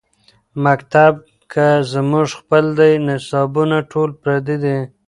مکتب کۀ زمونږ خپل دے نصابونه ټول پردي دي